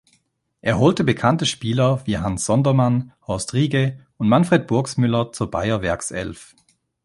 Er holte bekannte Spieler wie Hans Sondermann, Horst Riege und Manfred Burgsmüller zur Bayer-Werkself.